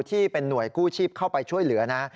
ที่เป็นห่วยกู้ชีพเข้าไปช่วยเหลือนะ